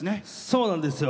そうなんですよ。